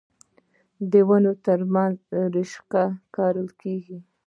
د ونو ترمنځ رشقه کرل کیږي.